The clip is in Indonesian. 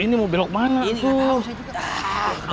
ini mau belok mana itu